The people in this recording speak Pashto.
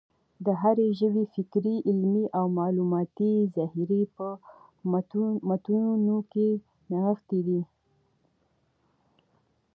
د هري ژبي فکري، علمي او معلوماتي ذخیره په متونو کښي نغښتې ده.